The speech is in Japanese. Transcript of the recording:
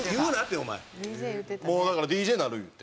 もうだからＤＪなる言うて。